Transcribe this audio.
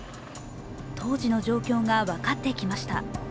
当時の状況が分かってきました。